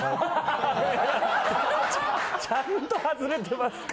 ちゃんと外れてますか？